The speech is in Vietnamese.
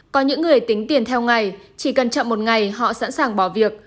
có những người tính tiền theo ngày chỉ cần chậm một ngày họ sẵn sàng bỏ việc